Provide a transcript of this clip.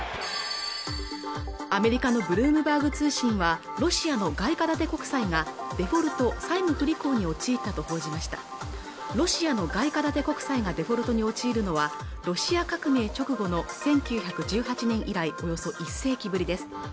アメリカのブルームバーグ通信はロシアの外貨建て国債がデフォルト＝債務不履行に陥ったと報じましたロシアの外貨建て国債がデフォルトに陥るのはロシア革命直後の１９１８年以来およそ１世紀ぶりです